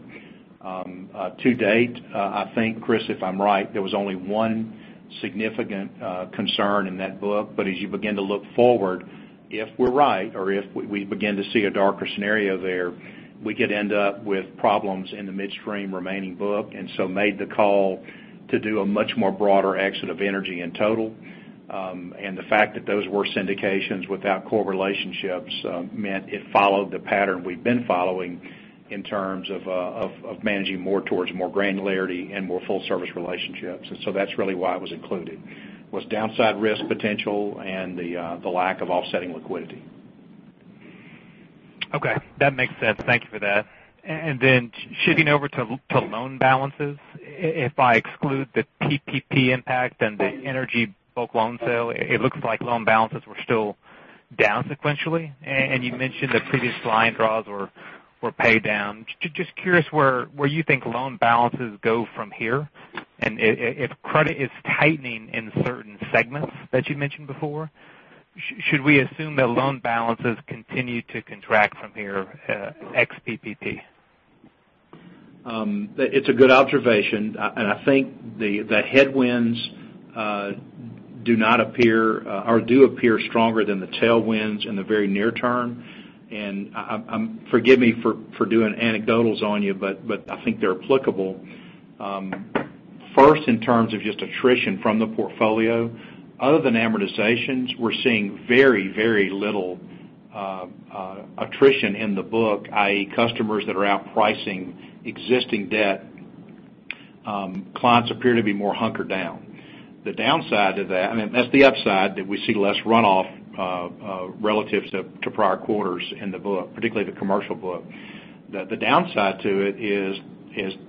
To date, I think, Chris, if I'm right, there was only one significant concern in that book. As you begin to look forward, if we're right, or if we begin to see a darker scenario there, we could end up with problems in the midstream remaining book. Made the call to do a much more broader exit of energy in total. The fact that those were syndications without core relationships meant it followed the pattern we've been following in terms of managing more towards more granularity and more full service relationships. That's really why it was included, was downside risk potential and the lack of offsetting liquidity. Okay. That makes sense. Thank you for that. Shifting over to loan balances. If I exclude the PPP impact and the energy bulk loan sale, it looks like loan balances were still down sequentially. You mentioned the previous line draws were paid down. Just curious where you think loan balances go from here, and if credit is tightening in certain segments that you mentioned before, should we assume that loan balances continue to contract from here, ex PPP? It's a good observation. I think the headwinds do appear stronger than the tailwinds in the very near term. Forgive me for doing anecdotals on you, but I think they're applicable. First, in terms of just attrition from the portfolio, other than amortizations, we're seeing very, very little attrition in the book, i.e., customers that are out pricing existing debt. Clients appear to be more hunkered down. The downside of that, I mean, that's the upside, that we see less runoff relative to prior quarters in the book, particularly the commercial book. The downside to it is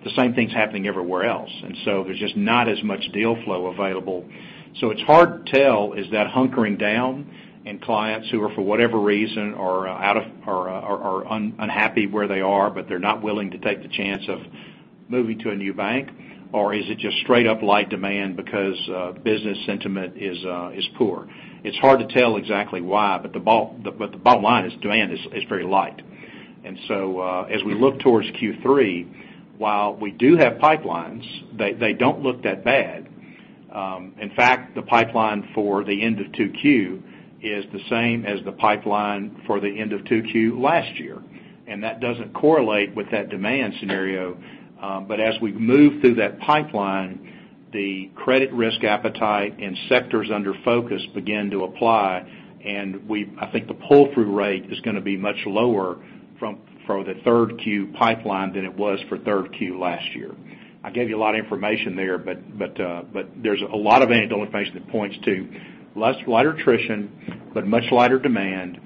the same thing's happening everywhere else, there's just not as much deal flow available. It's hard to tell, is that hunkering down in clients who are, for whatever reason, are unhappy where they are, but they're not willing to take the chance of moving to a new bank? Is it just straight up light demand because business sentiment is poor. It's hard to tell exactly why, the bottom line is demand is very light. As we look towards Q3, while we do have pipelines, they don't look that bad. In fact, the pipeline for the end of 2Q is the same as the pipeline for the end of 2Q last year, that doesn't correlate with that demand scenario. As we move through that pipeline, the credit risk appetite and sectors under focus begin to apply, I think the pull-through rate is going to be much lower for the 3Q pipeline than it was for 3Q last year. I gave you a lot of information there's a lot of anecdotal information that points to lighter attrition, much lighter demand.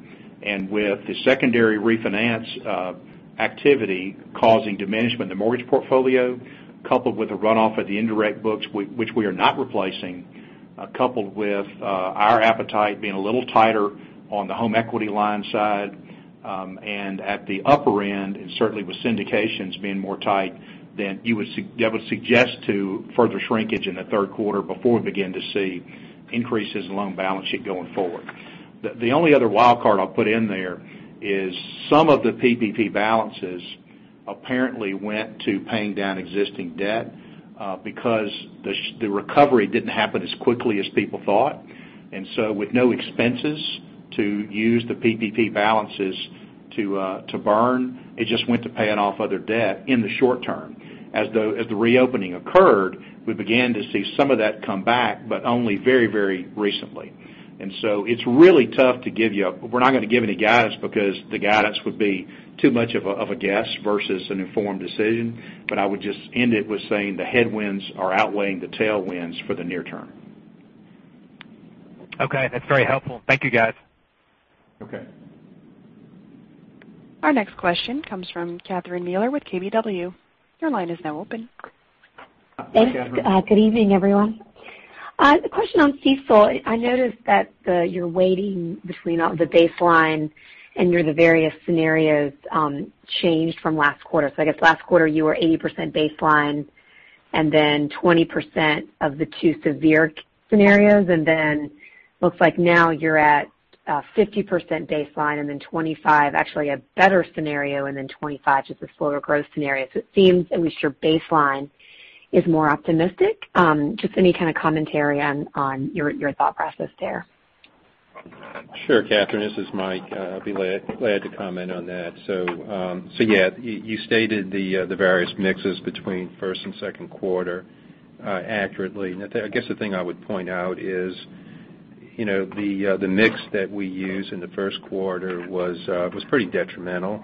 With the secondary refinance activity causing diminishment in the mortgage portfolio, coupled with a runoff of the indirect books, which we are not replacing, coupled with our appetite being a little tighter on the home equity line side, and at the upper end, and certainly with syndications being more tight, then that would suggest to further shrinkage in the third quarter before we begin to see increases in loan balance sheet going forward. The only other wildcard I'll put in there is some of the PPP balances apparently went to paying down existing debt, because the recovery didn't happen as quickly as people thought. With no expenses to use the PPP balances to burn, it just went to paying off other debt in the short term. As the reopening occurred, we began to see some of that come back, but only very recently. It's really tough. We're not going to give any guidance because the guidance would be too much of a guess versus an informed decision. I would just end it with saying the headwinds are outweighing the tailwinds for the near term. Okay, that's very helpful. Thank you, guys. Okay. Our next question comes from Catherine Mealor with KBW. Your line is now open. Hi, Catherine. Thanks. Good evening, everyone. A question on CECL. I noticed that you're weighting between the baseline and the various scenarios changed from last quarter. I guess last quarter you were 80% baseline, and then 20% of the two severe scenarios, and then looks like now you're at 50% baseline and then 25%, actually a better scenario, and then 25%, just a slower growth scenario. It seems at least your baseline is more optimistic. Just any kind of commentary on your thought process there? Sure, Catherine, this is Mike. I'll be glad to comment on that. Yeah, you stated the various mixes between first and second quarter accurately. I guess the thing I would point out is the mix that we used in the first quarter was pretty detrimental.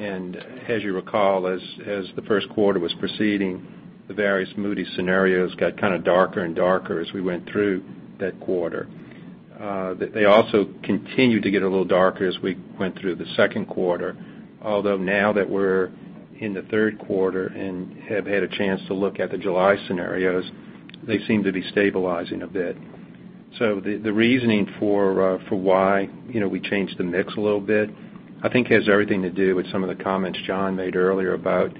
As you recall, as the first quarter was proceeding, the various Moody's scenarios got kind of darker and darker as we went through that quarter. They also continued to get a little darker as we went through the second quarter, although now that we're in the third quarter and have had a chance to look at the July scenarios, they seem to be stabilizing a bit. The reasoning for why we changed the mix a little bit, I think, has everything to do with some of the comments John made earlier about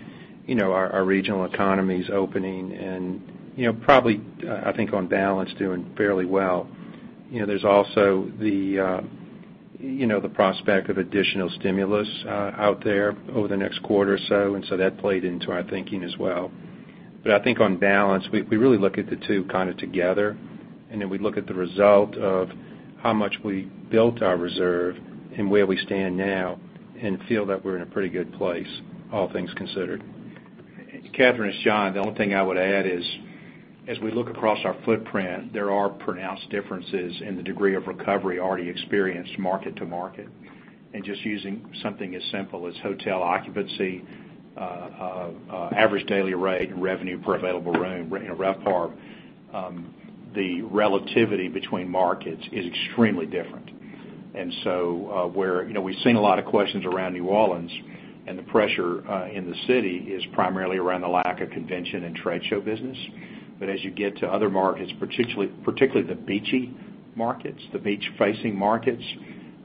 our regional economies opening and probably, I think, on balance, doing fairly well. There's also the prospect of additional stimulus out there over the next quarter or so, that played into our thinking as well. I think on balance, we really look at the two kind of together, and then we look at the result of how much we built our reserve and where we stand now and feel that we're in a pretty good place, all things considered. Catherine, it's John. The only thing I would add is, as we look across our footprint, there are pronounced differences in the degree of recovery already experienced market to market. Just using something as simple as hotel occupancy, average daily rate, and RevPAR, the relativity between markets is extremely different. We've seen a lot of questions around New Orleans, and the pressure in the city is primarily around the lack of convention and trade show business. As you get to other markets, particularly the beachy markets, the beach-facing markets,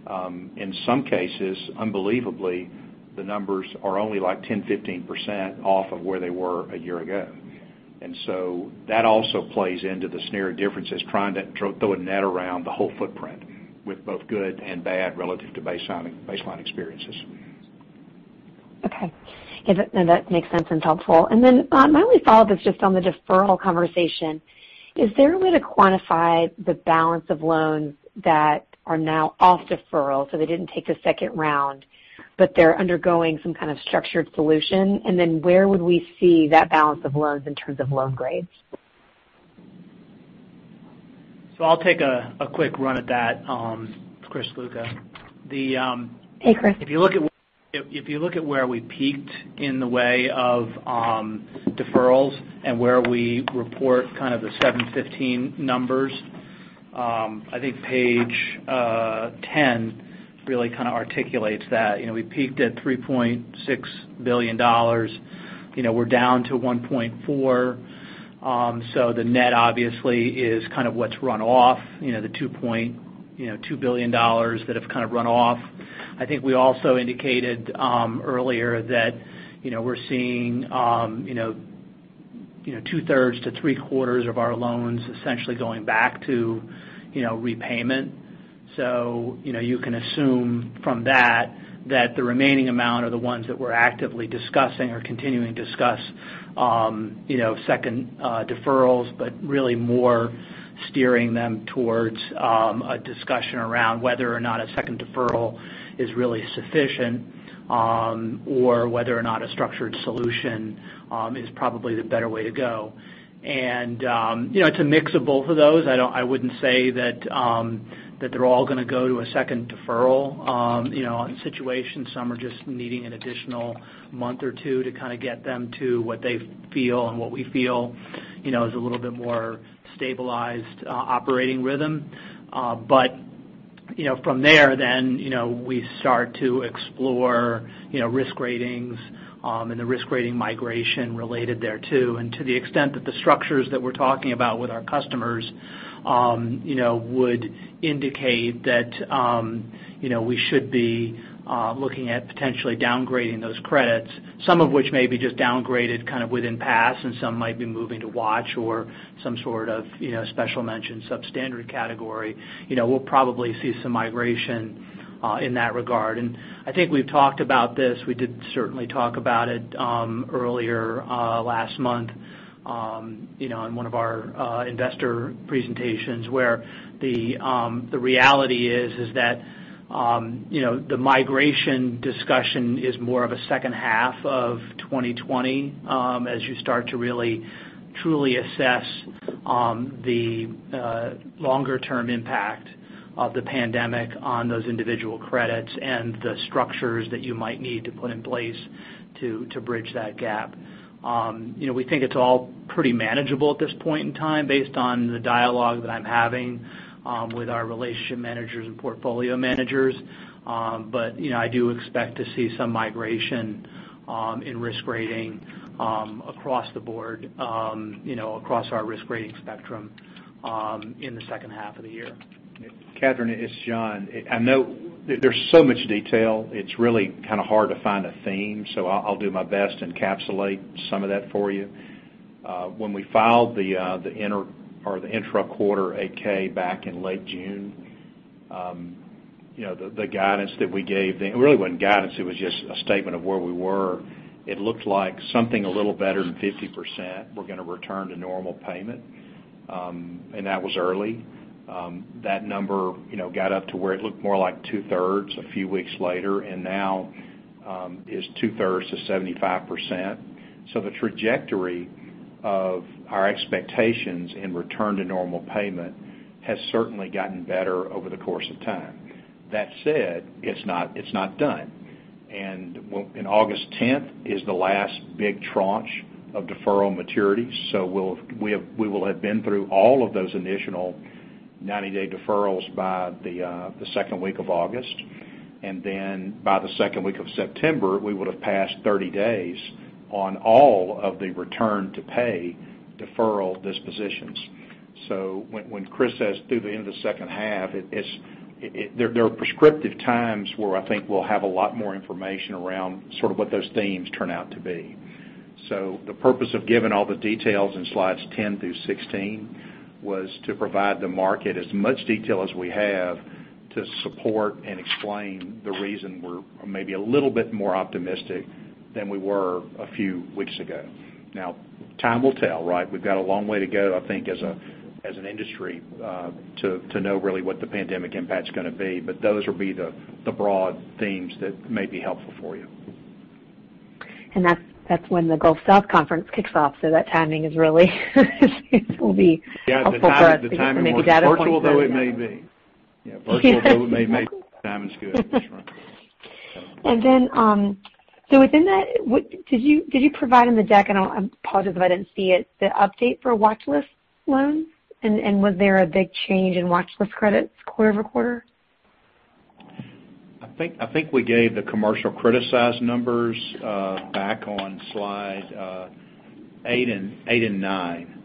in some cases, unbelievably, the numbers are only like 10%, 15% off of where they were a year ago. That also plays into the scenario differences, trying to throw a net around the whole footprint with both good and bad relative to baseline experiences. Okay. That makes sense and helpful. My only follow-up is just on the deferral conversation. Is there a way to quantify the balance of loans that are now off deferral? They didn't take the second round, but they're undergoing some kind of structured solution. Where would we see that balance of loans in terms of loan grades? I'll take a quick run at that. It's Christopher Ziluca. Hey, Chris. If you look at where we peaked in the way of deferrals and where we report kind of the 715 numbers, I think page 10 really kind of articulates that. We peaked at $3.6 billion. We're down to $1.4 billion. The net obviously is kind of what's run off, the $2.2 billion that have kind of run off. I think we also indicated earlier that we're seeing two-thirds to three-quarters of our loans essentially going back to repayment. You can assume from that the remaining amount are the ones that we're actively discussing or continuing to discuss second deferrals, but really more steering them towards a discussion around whether or not a second deferral is really sufficient, or whether or not a structured solution is probably the better way to go. It's a mix of both of those. I wouldn't say that they're all going to go to a second deferral on situations. Some are just needing an additional month or two to kind of get them to what they feel and what we feel is a little bit more stabilized operating rhythm. From there, then, we start to explore risk ratings and the risk rating migration related thereto. To the extent that the structures that we're talking about with our customers would indicate that we should be looking at potentially downgrading those credits, some of which may be just downgraded kind of within pass and some might be moving to watch or some sort of special mention substandard category. We'll probably see some migration in that regard. I think we've talked about this. We did certainly talk about it earlier last month in one of our investor presentations where the reality is that the migration discussion is more of a second half of 2020 as you start to really truly assess the longer-term impact of the pandemic on those individual credits and the structures that you might need to put in place to bridge that gap. We think it's all pretty manageable at this point in time based on the dialogue that I'm having with our relationship managers and portfolio managers. I do expect to see some migration in risk rating across the board, across our risk rating spectrum in the second half of the year. Catherine, it's John. I know there's so much detail, it's really kind of hard to find a theme, so I'll do my best to encapsulate some of that for you. When we filed the intra-quarter 8-K back in late June, the guidance that we gave it really wasn't guidance, it was just a statement of where we were. It looked like something a little better than 50% were going to return to normal payment, and that was early. That number got up to where it looked more like two-thirds a few weeks later, and now is two-thirds to 75%. The trajectory of our expectations in return to normal payment has certainly gotten better over the course of time. That said, it's not done. August 10th is the last big tranche of deferral maturities, so we will have been through all of those initial 90-day deferrals by the second week of August. Then by the second week of September, we would have passed 30 days on all of the return to pay deferral dispositions. When Chris says through the end of the second half, there are prescriptive times where I think we'll have a lot more information around sort of what those themes turn out to be. The purpose of giving all the details in slides 10 through 16 was to provide the market as much detail as we have to support and explain the reason we're maybe a little bit more optimistic than we were a few weeks ago. Time will tell, right? We've got a long way to go, I think, as an industry to know really what the pandemic impact is going to be. Those will be the broad themes that may be helpful for you. That's when the Gulf South Conference kicks off, it will be helpful for us because maybe. Yeah, the timing virtual though it may be. Yeah. Virtual though it may be, timing's good. That's right. Within that, did you provide in the deck, and I apologize if I didn't see it, the update for watchlist loans? Was there a big change in watchlist credits quarter-over-quarter? I think we gave the commercial criticized numbers back on slide eight and nine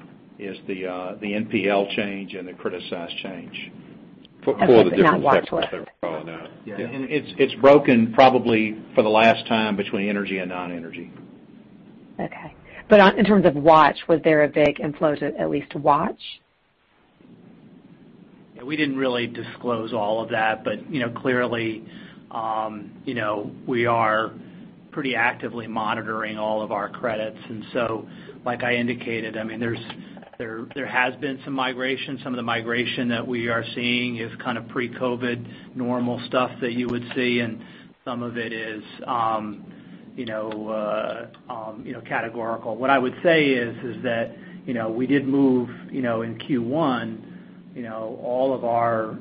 is the NPL change and the criticized change. For the different sectors that we're calling out. Yeah. It's broken probably for the last time between energy and non-energy. Okay. In terms of watch, was there a big inflow to at least to watch? Yeah, we didn't really disclose all of that, but clearly we are pretty actively monitoring all of our credits. Like I indicated, there has been some migration. Some of the migration that we are seeing is kind of pre-COVID normal stuff that you would see, and some of it is categorical. What I would say is that we did move in Q1 all of our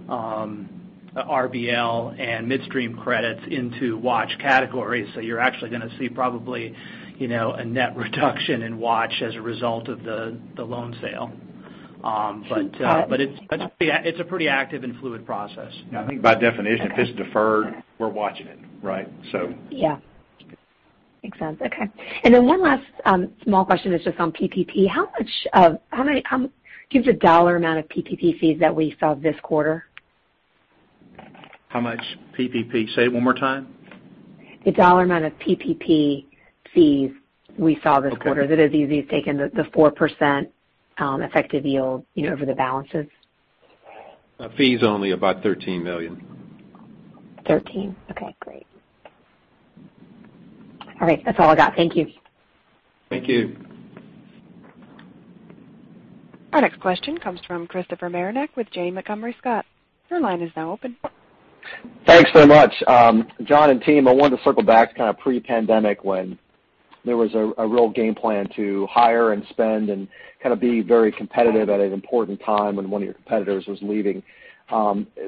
RBL and midstream credits into watch categories. You're actually going to see probably a net reduction in watch as a result of the loan sale. It's a pretty active and fluid process. Yeah. I think by definition, if it's deferred, we're watching it, right? Yeah. Makes sense, okay. Then one last small question is just on PPP. Do you have the dollar amount of PPP fees that we saw this quarter? How much PPP? Say it one more time. The dollar amount of PPP fees we saw this quarter. Okay. That is easy is taking the 4% effective yield over the balances. Fees only about $13 million. 13? Okay, great. All right. That's all I got. Thank you. Thank you. Our next question comes from Christopher Marinac with Janney Montgomery Scott. Your line is now open. Thanks so much. John and team, I wanted to circle back to kind of pre-pandemic when there was a real game plan to hire and spend and kind of be very competitive at an important time when one of your competitors was leaving.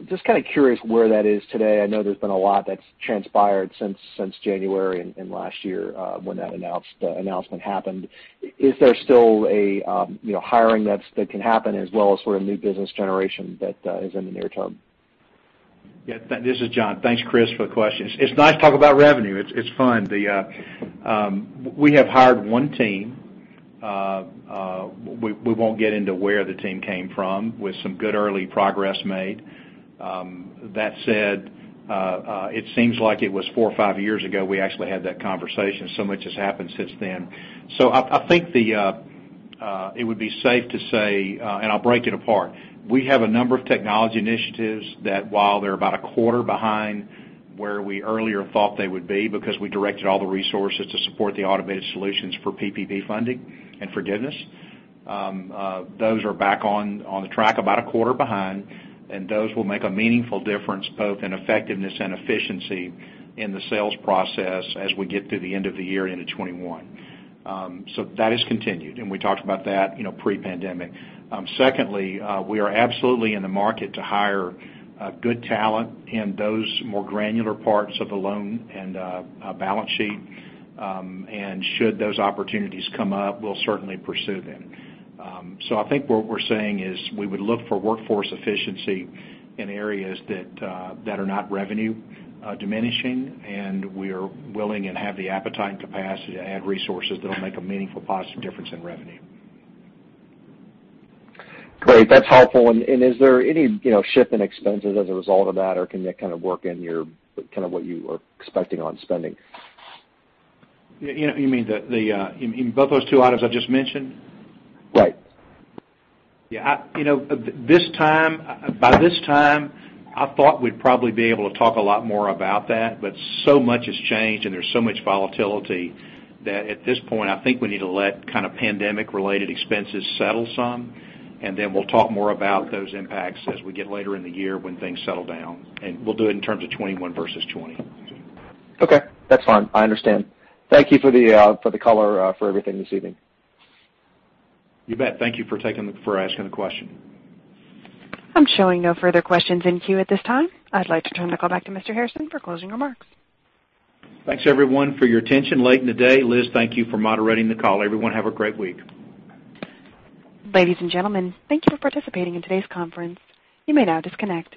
Just kind of curious where that is today. I know there's been a lot that's transpired since January and last year when that announcement happened. Is there still a hiring that can happen as well as sort of new business generation that is in the near term? This is John. Thanks, Chris, for the question. It's nice to talk about revenue. It's fun. We have hired one team. We won't get into where the team came from with some good early progress made. That said, it seems like it was four or five years ago, we actually had that conversation. Much has happened since then. I think it would be safe to say, and I'll break it apart. We have a number of technology initiatives that while they're about a quarter behind where we earlier thought they would be because we directed all the resources to support the automated solutions for PPP funding and forgiveness. Those are back on the track about a quarter behind, and those will make a meaningful difference both in effectiveness and efficiency in the sales process as we get through the end of the year into 2021. That has continued, and we talked about that pre-pandemic. Secondly, we are absolutely in the market to hire good talent in those more granular parts of the loan and balance sheet. Should those opportunities come up, we'll certainly pursue them. I think what we're saying is we would look for workforce efficiency in areas that are not revenue diminishing, and we are willing and have the appetite and capacity to add resources that'll make a meaningful, positive difference in revenue. Great. That's helpful. Is there any shift in expenses as a result of that? Can that kind of work in your, kind of what you are expecting on spending? You mean in both those two items I just mentioned? Right. By this time, I thought we'd probably be able to talk a lot more about that, but so much has changed and there's so much volatility that at this point, I think we need to let kind of Pandemic related expenses settle some, and then we'll talk more about those impacts as we get later in the year when things settle down, and we'll do it in terms of 2021 versus 2020. Okay. That's fine. I understand. Thank you for the color for everything this evening. You bet. Thank you for asking the question. I'm showing no further questions in queue at this time. I'd like to turn the call back to Mr. Hairston for closing remarks. Thanks everyone for your attention late in the day. Liz, thank you for moderating the call. Everyone, have a great week. Ladies and gentlemen, thank you for participating in today's conference. You may now disconnect.